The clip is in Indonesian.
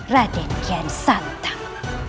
raden kian santang